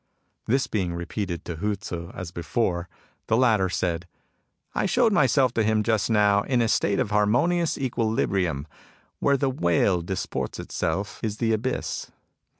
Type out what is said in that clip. This being repeated to Hu Tzu as before, the . latter said :" I showed myself to him just now ) in a state of harmonious equilibrium. Where ^ f ^ the whale disports itself, — is the abyss.